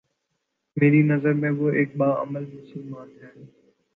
میری نظر میں وہ ایک با عمل مسلمان ہے